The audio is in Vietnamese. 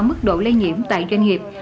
mức độ lây nhiễm tại doanh nghiệp